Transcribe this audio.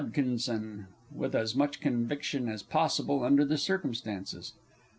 (with as much conviction as possible under the circumstances).